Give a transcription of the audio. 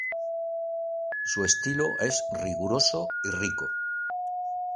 Su estilo es riguroso y rico.